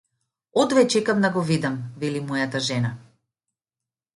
Одвај чекам да го видам, вели мојата жена.